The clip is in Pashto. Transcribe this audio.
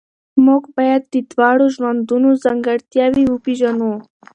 موږ باید د دواړو ژوندونو ځانګړتیاوې وپېژنو.